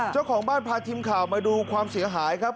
เจ้าของบ้านพาทีมข่าวมาดูความเสียหายครับ